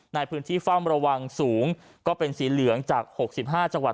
ในพื้นที่ฟ่ามระวังสูงก็เป็นสีเหลืองจากหกสิบห้าจังหวัด